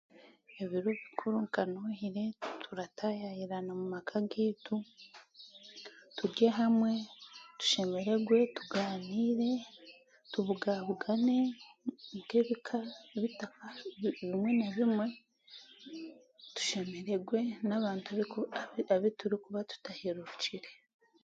Ebiro bikuru nka nohire turataayayirana omu maka gaitu, turye hamwe, tushemeregwe, tugaaniire, tubugaabugane nk'ebika bitaka bimwe na bimwe, tushemeregwe n'abantu abuturikuba abiku tutahererukire